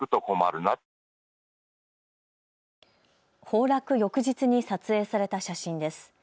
崩落翌日に撮影された写真です。